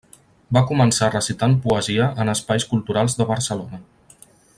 Va començar recitant poesia en espais culturals de Barcelona.